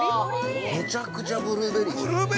◆めちゃくちゃブルーベリーじゃん。